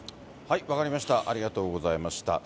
分かりました、ありがとうございました。